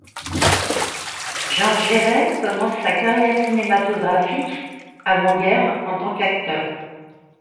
Jean Gehret commence sa carrière cinématographique, avant guerre, en tant qu'acteur.